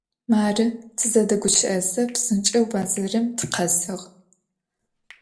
Marı, tızedeguşı'eze, psınç'eu bedzerım tıkhesığ.